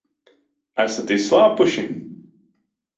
Esat izslāpuši?